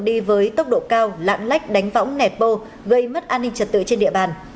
đi với tốc độ cao lạng lách đánh võng nẹp bô gây mất an ninh trật tự trên địa bàn